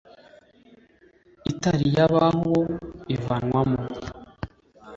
Itariyababo ivanwa mo.